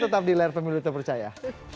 tetap di layar pemilu terpercaya